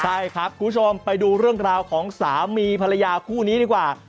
ใช่ครับคุณผู้ชมไปดูเรื่องราวของสามีภรรยาคู่นี้ดีกว่า